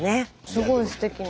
すごいすてきな。